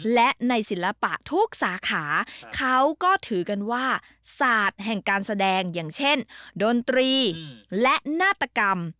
และในศิลปะทุกสาขาเขาก็ถือกันว่าศาสตร์แห่งการแสดงอย่างเช่นดนตรีและนาตกรรม